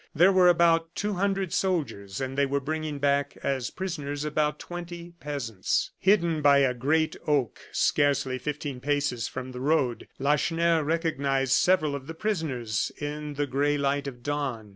There were about two hundred soldiers, and they were bringing back, as prisoners, about twenty peasants. Hidden by a great oak scarcely fifteen paces from the road, Lacheneur recognized several of the prisoners in the gray light of dawn.